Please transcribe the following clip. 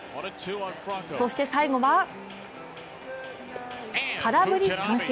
そして最後は空振り三振。